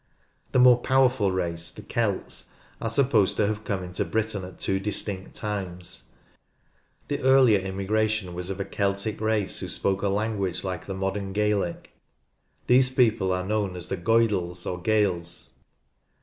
The more powerful race, the Celts, are supposed to have come into Britain at two distinct times. The earlier immigra tion was of a Celtic race who spoke a language like the modern Gaelic : these people are known as the Goidels or Gaels.